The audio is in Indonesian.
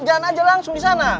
jalan aja langsung di sana